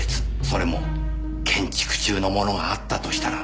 それも建築中のものがあったとしたら。